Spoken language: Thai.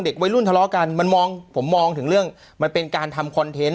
วัยรุ่นทะเลาะกันมันมองผมมองถึงเรื่องมันเป็นการทำคอนเทนต์